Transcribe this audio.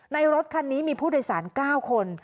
รถคันนี้มีผู้โดยสาร๙คน